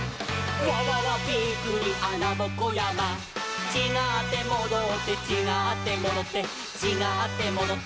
「わわわびっくりあなぼこやま」「ちがってもどって」「ちがってもどってちがってもどって」